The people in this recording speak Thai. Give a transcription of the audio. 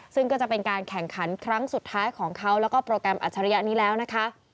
ซึ่งก็จะเป็นการแข่งขันครั้งสุดท้ายของเขาแล้วก็โปรแกรมอัจฉริยะนี้แล้วนะคะ